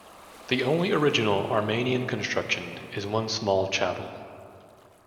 The only original Armenian construction is one small chapel.